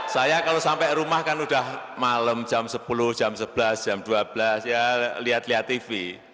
saya kalau sampai rumah kan udah malam jam sepuluh jam sebelas jam dua belas ya lihat lihat tv